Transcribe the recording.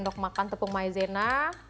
kita tambahkan tepung maizena